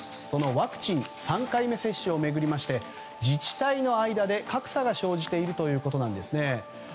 そのワクチン３回目接種を巡りまして自治体の間で格差が生じているということなんです。